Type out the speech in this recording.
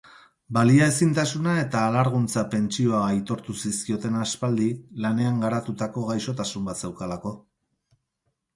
Baliaezintasuna eta alarguntza pentsioa aitortu zizkioten aspaldi, lanean garatutako gaixotasun bat zeukalako.